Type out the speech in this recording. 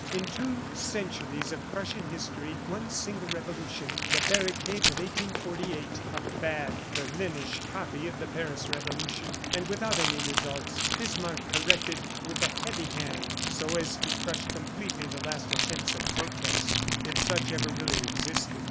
In two centuries of Prussian history, one single revolution the barricades of 1848 a bad Berlinish copy of the Paris revolution, and without any result. Bismarck corrected with a heavy hand so as to crush completely the last attempts at protest if such ever really existed.